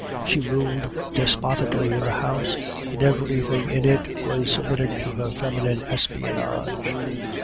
She ruled despotically in the house, and everything in it was submitted to this feminine espionage.